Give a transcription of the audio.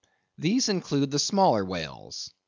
—These include the smaller whales.